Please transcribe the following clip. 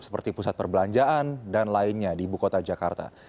seperti pusat perbelanjaan dan lainnya di ibu kota jakarta